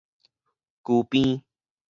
舊病